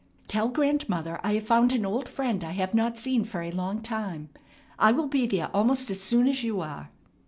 "Tell grandmother I have found an old friend I have not seen for a long time. I will be there almost as soon as you are."